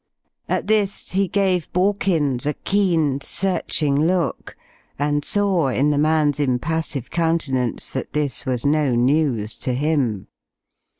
At this he gave Borkins a keen, searching look, and saw in the man's impassive countenance that this was no news to him.